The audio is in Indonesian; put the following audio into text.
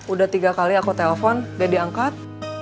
udah tiga kali aku telpon udah diangkat